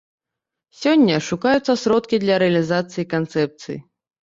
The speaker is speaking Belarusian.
Сёння шукаюцца сродкі для рэалізацыі канцэпцыі.